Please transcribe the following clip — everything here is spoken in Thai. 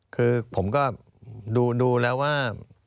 คือผมก็ดูแล้วว่า